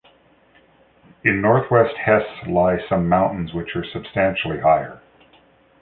In northwest Hesse lie some mountains which are substantially higher.